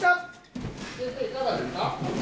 先生いかがですか？